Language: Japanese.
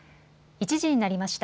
１時になりました。